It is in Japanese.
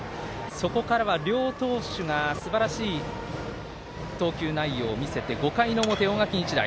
そこからは両投手がすばらしい投球内容を見せて５回の表、大垣日大。